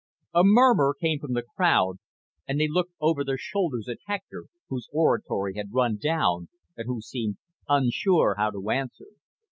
A murmur came from the crowd and they looked over their shoulders at Hector, whose oratory had run down and who seemed unsure how to answer.